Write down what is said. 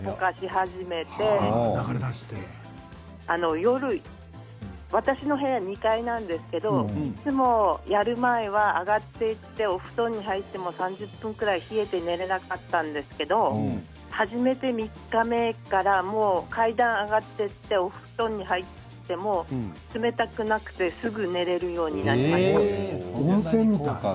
夜、私の部屋は２階なんですけれどいつもやる前は上がってお布団に入っても３０分ぐらい冷えて眠ることができなかったんですけど始めて３日目からもう階段上がってお布団に入って冷たくなくてすぐ眠れるようになりました。